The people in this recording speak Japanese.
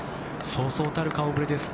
そうそうたる顔ぶれです。